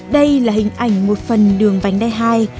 đây là hình ảnh một phần đường vành đai hai